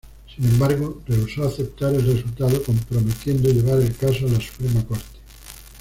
Sin embargo, rehusó aceptar el resultado, prometiendo llevar el caso a la Suprema Corte.